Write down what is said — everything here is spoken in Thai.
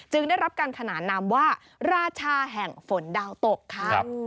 ได้รับการขนานนามว่าราชาแห่งฝนดาวตกค่ะ